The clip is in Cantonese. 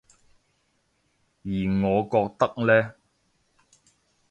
而我覺得呢